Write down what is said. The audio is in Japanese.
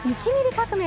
革命